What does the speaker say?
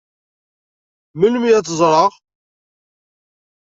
Melmi ad tt-ẓṛeɣ?